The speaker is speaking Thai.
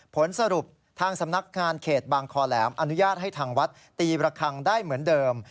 ผลสรุปทางสำนักงานเขตบางคอแหลมอนุญาตให้ทางวัดตีระคังได้เหมือนเดิม